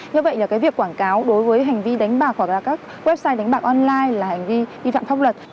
như vậy là cái việc quảng cáo đối với hành vi đánh bạc hoặc là các website đánh bạc online là hành vi vi phạm pháp luật